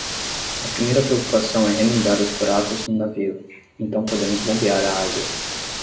A primeira preocupação é remendar os buracos no navio, então podemos bombear a água.